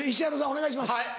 お願いします。